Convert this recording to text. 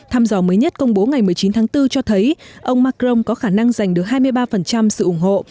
thăm dò mới nhất công bố ngày một mươi chín tháng bốn cho thấy ông macron có khả năng giành được hai mươi ba sự ủng hộ